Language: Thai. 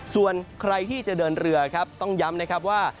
ส่วนใครที่จะเดินเรือครับต้องย้ำนะครับว่า